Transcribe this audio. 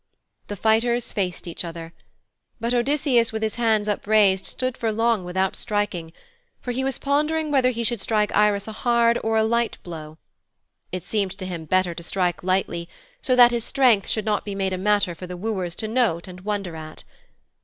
The fighters faced each other. But Odysseus with his hands upraised stood for long without striking, for he was pondering whether he should strike Irus a hard or a light blow. It seemed to him better to strike him lightly, so that his strength should not be made a matter for the wooers to note and wonder at.